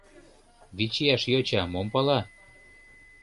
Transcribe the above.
— Вич ияш йоча мом пала?